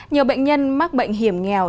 nhiều bệnh nhân mắc bệnh hiểm nghèo